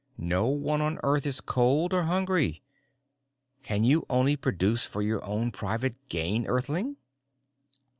No one on Earth is cold or hungry. Can you only produce for your own private gain, Earthling?